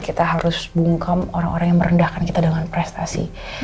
kita harus bungkam orang orang yang merendahkan kita dengan prestasi